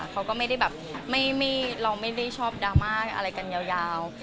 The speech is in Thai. เขาก็ไม่ได้แบบเราไม่ได้ชอบดราม่าอะไรกันยาว